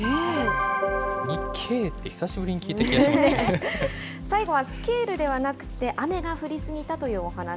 ２京って久しぶりに聞いた気最後はスケールではなくて、雨が降り過ぎたというお話。